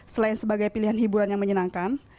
selain sebagai pilihan hiburan yang menyenangkan